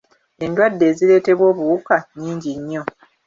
Endwadde ezireetebwa obuwuka nnyingi nnyo.